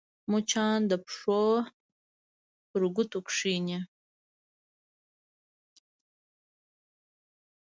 مچان د پښو پر ګوتو کښېني